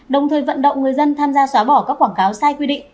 đồng thời vận động người dân tham gia xóa bỏ các quảng cáo sai quy định